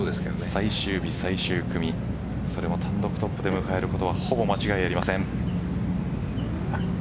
最終日、最終組それも単独トップで迎えることはほぼ間違いありません。